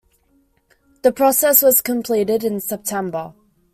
The process was completed in September.